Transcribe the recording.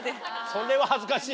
それは恥ずかしいな。